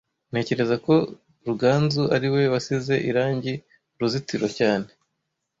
Ntekereza ko Ruganzu ariwe wasize irangi uruzitiro cyane